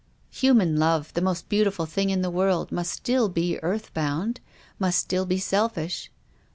" Human love, the most beautiful thing in the world must still be earth bound, must still be selfish."